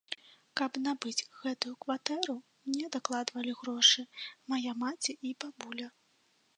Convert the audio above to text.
Каб набыць гэтую кватэру, мне дакладвалі грошы мая маці і бабуля.